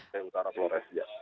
di utara flores ya